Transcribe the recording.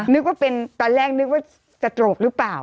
นึกว่าเป็นตอนแรกนึกว่าจะตรกหรือเปล่า